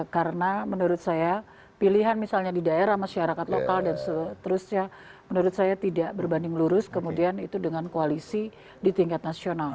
karena menurut saya pilihan misalnya di daerah masyarakat lokal dan seterusnya menurut saya tidak berbanding lurus kemudian itu dengan koalisi di tingkat nasional